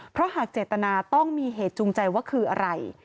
เพราะหากเจตนาต้องมีเหตุจูงใจว่าคืออะไร